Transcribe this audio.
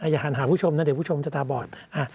อย่าหันหาผู้ชมนะเดี๋ยวผู้ชมจะตาบอด